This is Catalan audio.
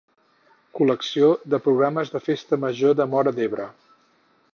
Col·lecció de programes de Festa Major de Móra d'Ebre.